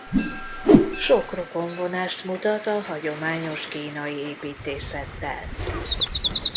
Sok rokon vonást mutat a hagyományos kínai építészettel.